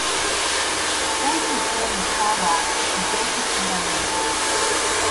French was born in Carlisle to Joseph and Eileen.